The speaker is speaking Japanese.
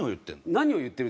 「何を言ってる？」